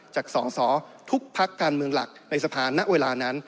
จากสองสอทุกภักดิ์การเมืองหลักในสะพานนะเวลานั้น